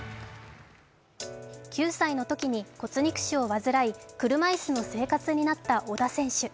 ９歳のときに骨肉腫を患い車いすの生活になった小田選手。